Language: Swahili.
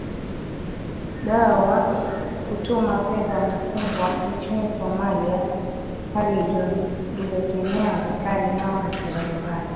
dao wa kutuma fedha umefungwa nchini somalia hali iliyokemewa vikali na watu mbalimbali